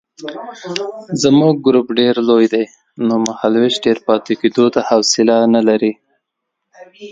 زموږ ګروپ ډېر لوی دی نو مهالوېش ډېر پاتې کېدو ته حوصله نه لري.